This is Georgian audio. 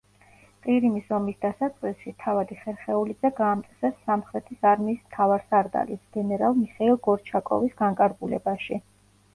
ყირიმის ომის დასაწყისში თავადი ხერხეულიძე გაამწესეს სამხრეთის არმიის მთავარსარდალის, გენერალ მიხეილ გორჩაკოვის განკარგულებაში.